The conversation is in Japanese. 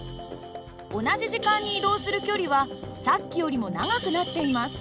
同じ時間に移動する距離はさっきよりも長くなっています。